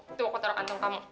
itu aku taruh kantong kamu